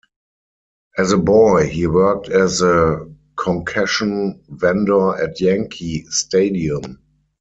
As a boy, he worked as a concession vendor at Yankee Stadium.